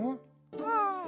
うん。